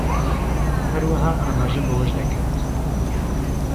هەروەها ئاماژە بەوەش دەکات